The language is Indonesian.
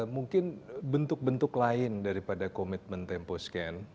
mungkin bentuk bentuk lain daripada komitmen tempo scan